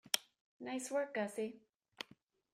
Nice work, Gussie.